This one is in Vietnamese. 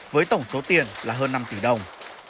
với tổng số tiền là hơn năm tỷ đồng